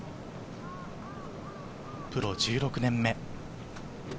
プロ１６年目。